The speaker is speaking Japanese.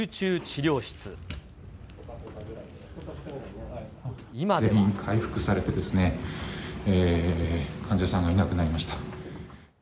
全員回復されて、患者さんがいなくなりました。